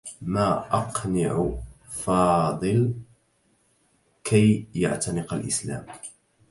ما أقنع فاضل كي يعتنق الإسلام؟